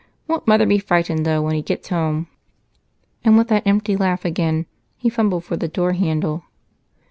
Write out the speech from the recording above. Won't Mother be frightened though when he gets home?" And with that empty laugh again, he fumbled for the door handle.